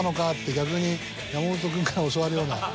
逆に山本君から教わるような。